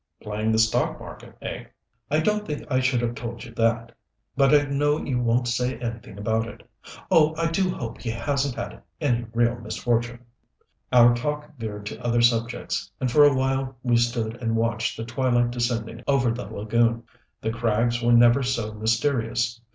"Playing the stock market, eh ?" "I don't think I should have told you that. But I know you won't say anything about it. Oh, I do hope he hasn't had any real misfortune " Our talk veered to other subjects, and for a while we stood and watched the twilight descending over the lagoon. The crags were never so mysterious.